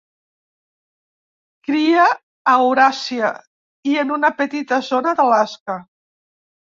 Cria a Euràsia i en una petita zona d'Alaska.